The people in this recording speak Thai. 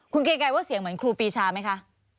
คุณเกรงไกรว่าเสียงเหมือนครูปีชาไหมคะ